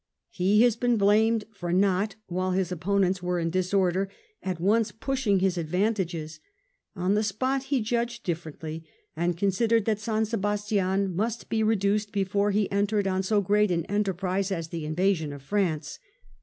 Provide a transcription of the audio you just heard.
He has been blamed for not, while his opponents were in disorder, at once pushing his advan tages. On the spot he judged differently, and considered that San Sebastian must be reduced before he entered on so great an enterprise as the invasion of France.